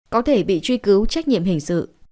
có thể bị truy cứu trách nhiệm hình sự